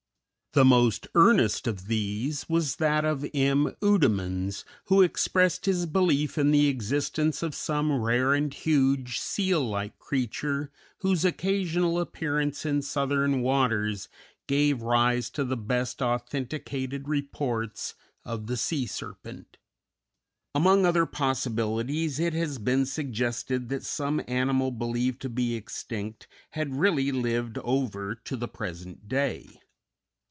The most earnest of these was that of M. Oudemans, who expressed his belief in the existence of some rare and huge seal like creature whose occasional appearance in southern waters gave rise to the best authenticated reports of the sea serpent. Among other possibilities it has been suggested that some animal believed to be extinct had really lived over to the present day.